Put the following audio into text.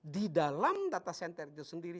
di dalam data center itu sendiri